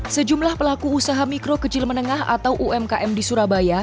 sejumlah pelaku usaha mikro kecil menengah atau umkm di surabaya